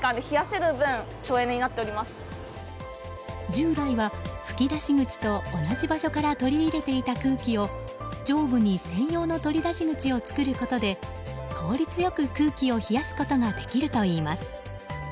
従来は吹き出し口と同じ場所から取り入れていた空気を上部に専用の取り出し口を作ることで効率よく空気を冷やすことができるといいます。